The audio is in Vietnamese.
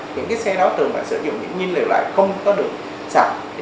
những cái xe đó thường phải sử dụng những nhiên liệu lại không có được sạch